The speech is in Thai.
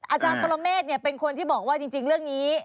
อาจารย์ปรเมฆเป็นคนที่บอกว่าจริงเรื่องนี้